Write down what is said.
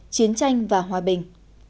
chiến tranh và hòa bình